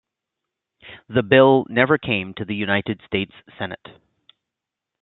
The bill never came to the United States Senate.